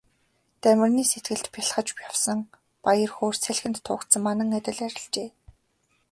Дамираны сэтгэлд бялхаж явсан баяр хөөр салхинд туугдсан манан адил арилжээ.